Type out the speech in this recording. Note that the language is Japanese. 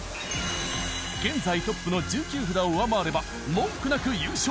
現在トップの１９札を上回れば文句なく優勝。